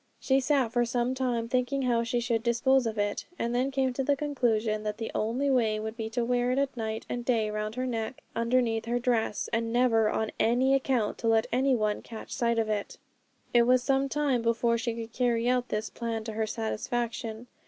She sat for some time thinking how she should dispose of it, and then came to the conclusion that the only way would be to wear it night and day round her neck underneath her dress, and never on any account to let any one catch sight of it. It was some time before she could carry out this plan to her satisfaction.